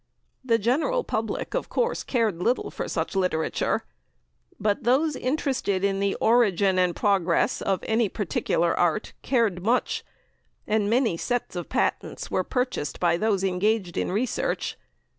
The general public, of course, cared little for such literature, but those interested in the origin and progress of any particular art, cared much, and many sets of Patents were purchased by those engaged in research.